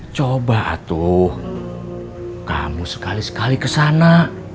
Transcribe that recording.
coba tuh kamu sekali sekali kesana